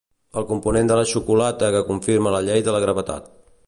El component de la xocolata que confirma la llei de la gravetat.